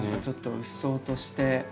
ちょっとうっそうとして。